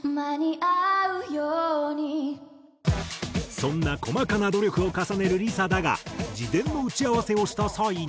そんな細かな努力を重ねるＬｉＳＡだが事前の打ち合わせをした際に。